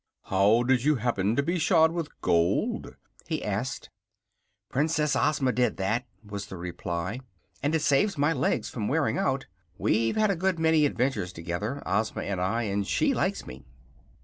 "How did you happen to be shod with gold?" he asked. "Princess Ozma did that," was the reply; "and it saves my legs from wearing out. We've had a good many adventures together, Ozma and I, and she likes me."